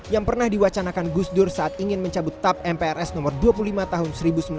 yang pernah diwacanakan gus dur saat ingin mencabut tap mprs nomor dua puluh lima tahun seribu sembilan ratus sembilan puluh